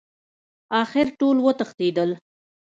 اخر ټول وتښتېدل.